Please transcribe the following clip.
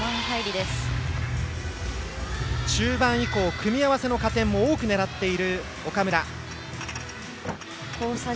中盤以降、組み合わせの加点も多く狙っている岡村。